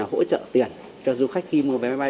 hỗ trợ tiền cho du khách khi mua vé máy bay